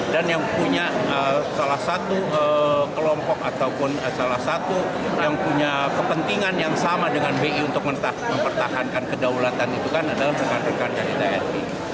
dan yang punya salah satu kelompok ataupun salah satu yang punya kepentingan yang sama dengan bi untuk mempertahankan kedaulatan itu kan adalah rekan rekan dari tni